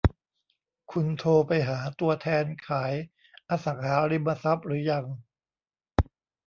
คุณโทรไปหาตัวแทนขายอสังหาริมทรัพย์หรือยัง